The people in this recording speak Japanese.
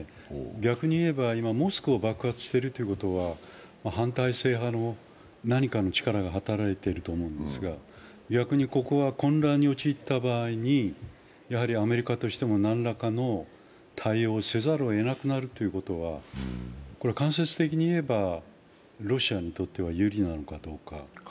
逆に言えば今、モスクを爆発しているということは反体制派の何かの力が働いていると思うんですが、逆にここは混乱に陥った場合に、アメリカとしては何らかの対応をせざるをえなくなるということは間接的に言えば、ロシアにとっては有利なのかどうか。